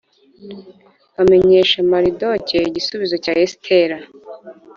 bamenyesha maridoke igisubizo cya esitera.